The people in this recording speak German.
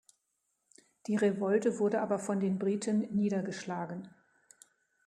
Die Revolte wurde aber von den Briten niedergeschlagen.